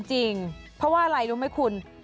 จริงเพราะว่าอะไรรู้ไหมคุณ